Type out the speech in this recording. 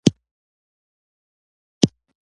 سهار د قدمونو برکت زیاتوي.